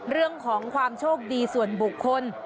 เรื่องของความโชคดีส่วนบุคคล